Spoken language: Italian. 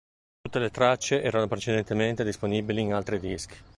Tutte le tracce erano precedentemente disponibili in altri dischi.